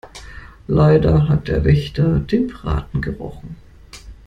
Leider hat der Wächter den Braten gerochen.